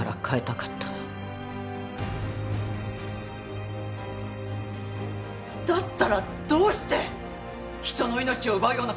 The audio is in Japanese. だったらどうして人の命を奪うような事をしたんですか！？